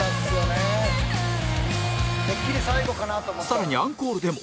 更にアンコールでも